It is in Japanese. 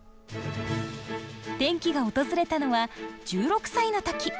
転機が訪れたのは１６歳の時。